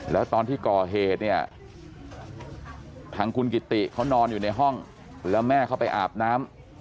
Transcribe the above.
แล้วตอนที่ก่อเหตุเนี่ยทางคุณกิติเขานอนอยู่ในห้องแล้วแม่เขาไปอาบน้ำ